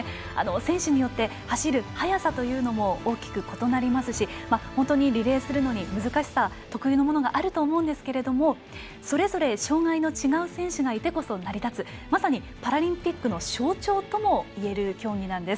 選手によって走る速さというのも大きく異なりますし本当にリレーするのに特有の難しさがあると思いますがそれぞれ、障がいの違う選手がいてこそ、成り立つまさにパラリンピックの象徴ともいえる競技なんです。